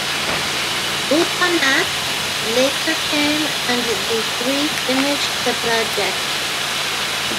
Boutonnat later came and the three finished the project.